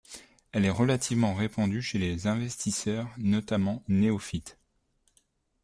Elle est relativement répandue chez les investisseurs, notamment néophytes.